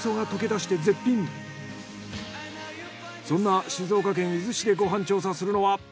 そんな静岡県伊豆市でご飯調査するのは。